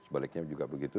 sebaliknya juga begitu